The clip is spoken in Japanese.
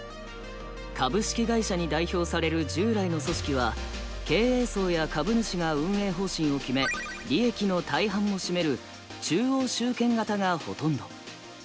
株式会社に代表される従来の組織は経営層や株主が運営方針を決め利益の大半を占める中央集権型がほとんど。